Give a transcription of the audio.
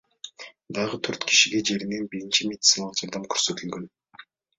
Дагы төрт кишиге жеринен биринчи медициналык жардам көрсөтүлгөн.